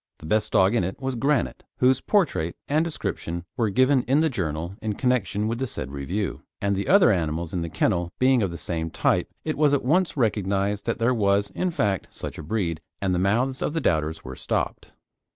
The best dog in it was Granite, whose portrait and description were given in the Journal in connection with the said review; and the other animals of the kennel being of the same type, it was at once recognised that there was, in fact, such a breed, and the mouths of the doubters were stopped.